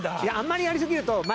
いやあんまりやりすぎると。